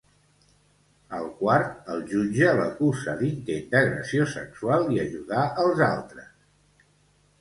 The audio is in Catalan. Al quart, el jutge l'acusa d'intent d'agressió sexual i ajudar els altres.